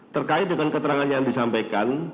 terkait dengan keterangan yang disampaikan